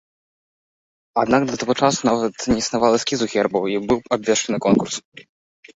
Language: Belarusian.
Аднак да таго часу не існавала нават эскіза гербу, і быў абвешчаны конкурс.